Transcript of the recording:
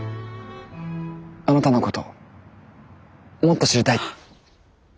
あなたのこともっと知りたい。